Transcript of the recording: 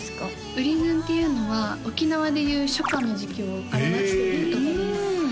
「うりずん」っていうのは沖縄でいう初夏の時期を表している言葉です